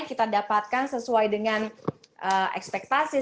kita dapatkan sesuai dengan ekspektasi